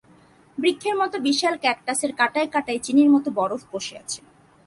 বৃক্ষের মতো বিশাল ক্যাকটাসের কাঁটায় কাঁটায় চিনির মতো বরফ বসে আছে।